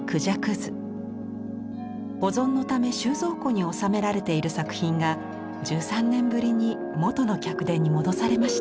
保存のため収蔵庫に収められている作品が１３年ぶりに元の客殿に戻されました。